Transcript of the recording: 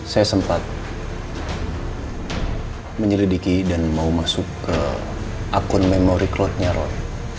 saya sempat menyelidiki dan mau masuk ke akun memory cloudnya roll